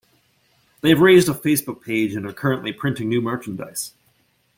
They have raised a Facebook page and are currently printing new merchandise.